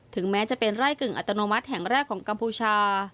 แม้จะเป็นไร่กึ่งอัตโนมัติแห่งแรกของกัมพูชา